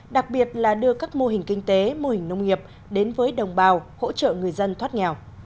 đặc biệt là đưa các mô hình kinh tế mô hình nông nghiệp đến với đồng bào hỗ trợ người dân thoát nghèo